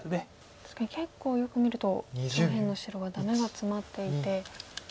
確かに結構よく見ると上辺の白はダメがツマっていて。